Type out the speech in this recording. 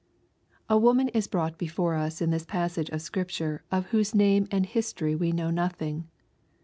A WOMAN is brought before us in this pat^sage of Scrip ture of whose name and history we know nothing.